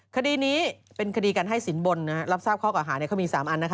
คดีนี้เป็นคดีการให้สินบนรับทราบข้อเก่าหาเขามี๓อัน